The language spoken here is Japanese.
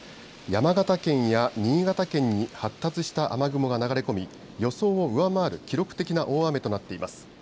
山形県や新潟県に発達した雨雲が流れ込み予想を上回る記録的な大雨となっています。